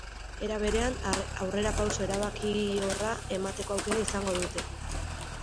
Era berean, aurrerapauso erabakiorra emateko aukera izango dute.